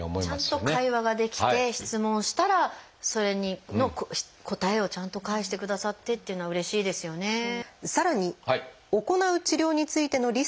ちゃんと会話ができて質問したらそれの答えをちゃんと返してくださってっていうのはうれしいですよね。